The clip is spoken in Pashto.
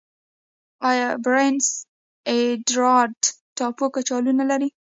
آیا پرنس اډوارډ ټاپو کچالو نلري؟